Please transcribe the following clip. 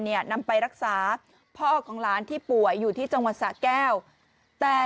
นำไปรักษาพ่อของหลานที่ป่วยอยู่ที่จังหวัดสะแก้วแต่